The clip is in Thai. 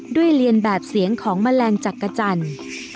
เรียนแบบเสียงของแมลงจักรจันทร์